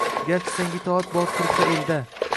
Garchi Senga itoat bor turfa elda